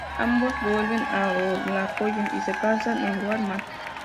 Ambos vuelven a Oklahoma y se casan en Wal-Mart.